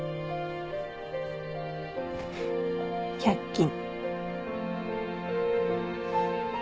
１００均。